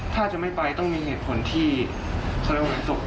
ถ้าจะไม่ไปต้องมีเหตุผลที่เขาเรียกว่าจบ